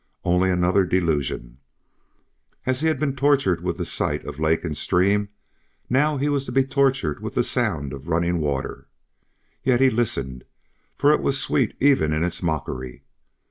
Only another delusion! As he had been tortured with the sight of lake and stream now he was to be tortured with the sound of running water. Yet he listened, for it was sweet even in its mockery.